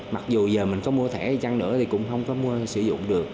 mặc dù giờ mình có mua thẻ gì chăng nữa thì cũng không có mua sử dụng được